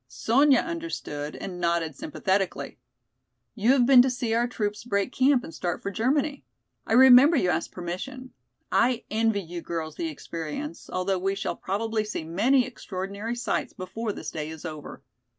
Sonya understood and nodded sympathetically. "You have been to see our troops break camp and start for Germany? I remember you asked permission. I envy you girls the experience, although we shall probably see many extraordinary sights before this day is over.